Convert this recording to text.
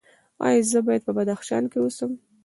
ایا زه باید په بدخشان کې اوسم؟